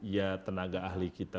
ya tenaga ahli kita